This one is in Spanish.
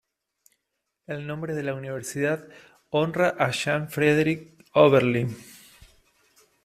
El nombre de la universidad honra a Jean Frederick Oberlin.